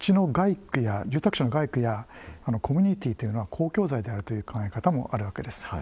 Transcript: しかし、住宅地の街区やコミュニティーというのは公共財であるという考えもあるわけです。